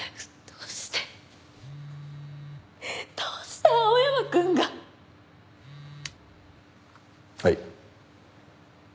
どうして青山くんが。はい。